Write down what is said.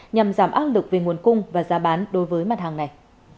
nhằm giảm áp lực về nguồn cung và giá bán đối với mặt hàng này